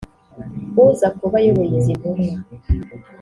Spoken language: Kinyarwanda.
uza kuba ayoboye izi ntumwa